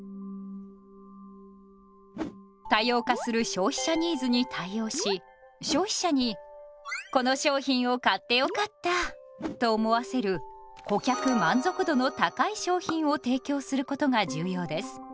多様化する消費者ニーズに対応し消費者に「この商品を買ってよかった」と思わせる顧客満足度の高い商品を提供することが重要です。